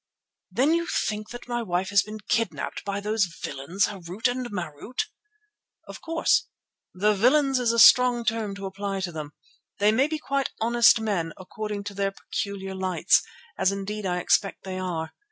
"Then you think that my wife has been kidnapped by those villains, Harût and Marût?" "Of course, though villains is a strong term to apply to them. They might be quite honest men according to their peculiar lights, as indeed I expect they are.